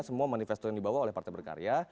semua manifestor yang dibawa oleh partai berkarya